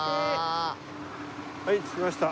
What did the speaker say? はい着きました。